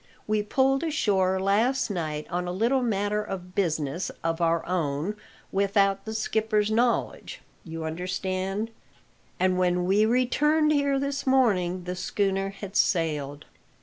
We pulled ashore last night on a little matter of business of our own without the skipper's knowledge, you understand and when we returned here this morning the schooner had sailed."